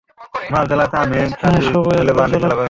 হ্যাঁ, সবাই আসবে, চলো।